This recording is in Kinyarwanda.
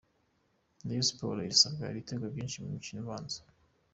Rayon Sports irasabwa ibitego byinshi mu mukino ubanza.